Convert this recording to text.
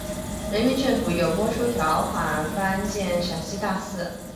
人民政府又拨出专款翻建陕西大寺。